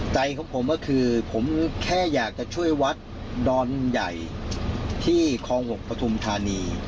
ใจของผมก็คือผมแค่อยากจะช่วยวัดดอนใหญ่ที่คลอง๖ปฐุมธานี